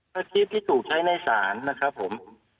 ถ้าคลิปที่ถูกใช้ในศาลนะครับผม